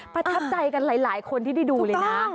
ประทับใจกันหลายคนที่ได้ดูเลยนะ